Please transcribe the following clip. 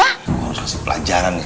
oh masih pelajaran ya clara